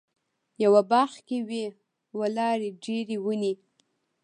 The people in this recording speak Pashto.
یوه باغ کې وې ولاړې ډېرې ونې.